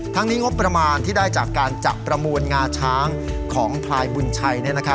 นี้งบประมาณที่ได้จากการจัดประมูลงาช้างของพลายบุญชัย